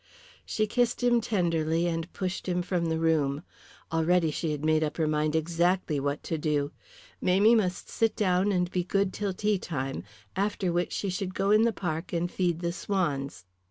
She kissed him tenderly, and pushed him from the room. Already she had made up her mind exactly what to do. Mamie must sit down and be good till teatime, after which she should go in the park and feed the swans.